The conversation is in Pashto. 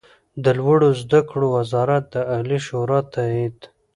د لوړو زده کړو وزارت د عالي شورا تائید